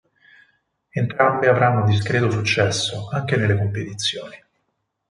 Entrambe avranno discreto successo, anche nelle competizioni.